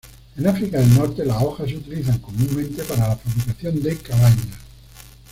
En África del Norte, las hojas se utilizan comúnmente para la fabricación de cabañas.